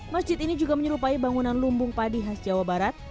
masjid ini juga menyerupai bangunan lumbung padi khas jawa barat